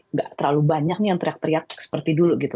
nggak terlalu banyak nih yang teriak teriak seperti dulu gitu